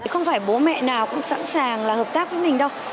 không phải bố mẹ nào cũng sẵn sàng là hợp tác với mình đâu